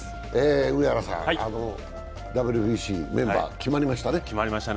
ＷＢＣ、メンバー決まりましたね。